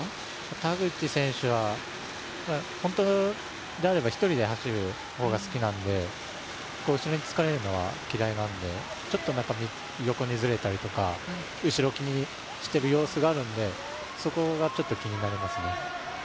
田口選手は、本当であれば１人で走る方が好きなので、集団につかれるのは嫌いなので、ちょっと横にずれたりとか後ろを気にしている様子があるのでそこがちょっと気になりますね。